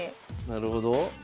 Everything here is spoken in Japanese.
なるほど。